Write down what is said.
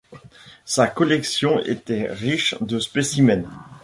Sa collection était riche de spécimens.